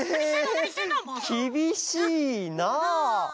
きびしいなあ。